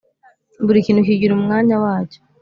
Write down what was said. Buri kintu kigira umwanya wacyo